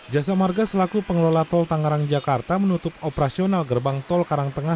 jasa marga selaku pengelola tol tangerang jakarta menutup operasional gerbang tol karangtengah